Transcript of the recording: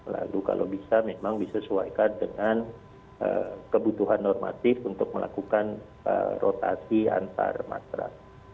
lalu kalau bisa memang disesuaikan dengan kebutuhan normatif untuk melakukan rotasi antarmatra